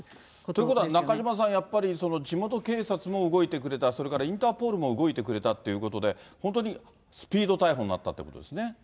ということは中島さん、やっぱり地元警察も動いてくれた、それからインターポールも動いてくれたということで、本当にスピード逮捕になったってことですね。